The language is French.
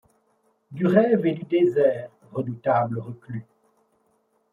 Du rêve et du-désert redoutables reclus’